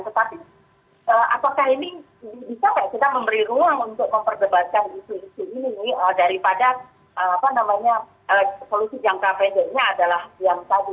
tetapi apakah ini bisa nggak kita memberi ruang untuk memperdebatkan isu isu ini daripada solusi jangka pendeknya adalah yang tadi